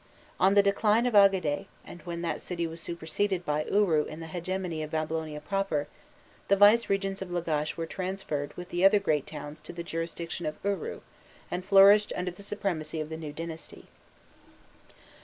On the decline of Agade, and when that city was superseded by Uru in the hegemony of Babylonia proper, the vicegerents of Lagash were transferred with the other great towns to the jurisdiction of Uru, and flourished under the supremacy of the new dynasty.